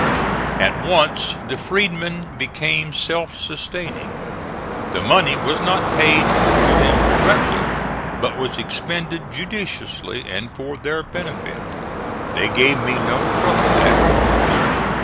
At once the freedmen became self sustaining. The money was not paid to them directly, but was expended judiciously and for their benefit. They gave me no trouble afterwards.